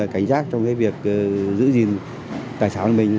cảnh giác trong việc giữ gìn tài sản mình